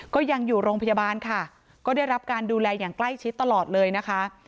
ก็ยังอยู่โรงพยาบาลค่ะก็ได้รับการดูแลอย่างใกล้ชิดตลอดเลยนะคะ